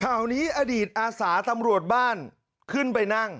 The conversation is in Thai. ข่าวนี้อดีตอาสาตำรวจบ้านขึ้นไปนั่ง